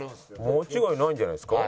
間違いないんじゃないですか？